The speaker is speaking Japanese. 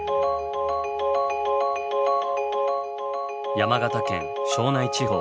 山形県庄内地方